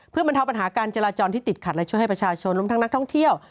เพื่อบรรเทาปัญหาการจราจรที่ติดขัดและช่วยให้ประชาชนรวมทั้งนักท่องเที่ยว